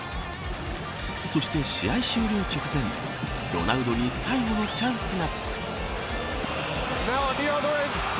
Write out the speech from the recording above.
そして試合終了直前ロナウドに最後のチャンスが。